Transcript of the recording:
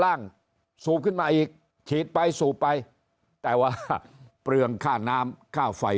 สูบขึ้นมาอีกฉีดไปสูบไปแต่ว่าเปลืองค่าน้ำค่าไฟ